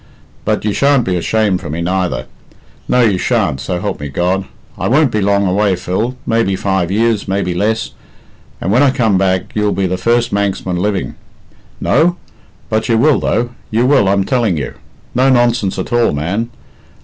But you shan't be ashamed for me, neither no you shan't, so help me God! I won't be long away, Phil maybe five years, maybe less, and when I come back you'll be the first Manxman living. No? But you will, though; you will, I'm telling you. No nonsense at all, man.